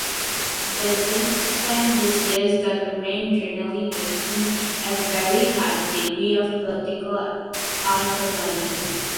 The dependencies that remain generally maintain a very high degree of political autonomy.